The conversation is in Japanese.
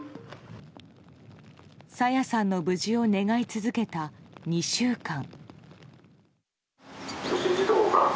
朝芽さんの無事を願い続けた２週間。